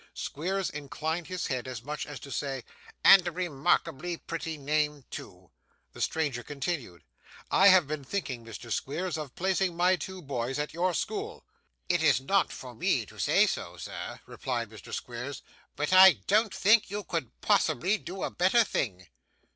Squeers inclined his head as much as to say, 'And a remarkably pretty name, too.' The stranger continued. 'I have been thinking, Mr. Squeers, of placing my two boys at your school.' 'It is not for me to say so, sir,' replied Mr. Squeers, 'but I don't think you could possibly do a better thing.